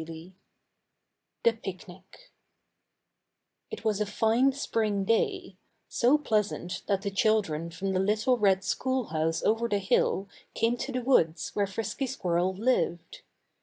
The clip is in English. IV The Picnic It was a fine spring day so pleasant that the children from the little red schoolhouse over the hill came to the woods where Frisky Squirrel lived.